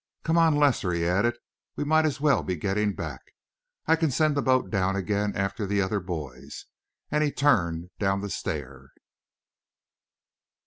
"Come on, Lester," he added; "we might as well be getting back. I can send the boat down again after the other boys," and he turned down the stair.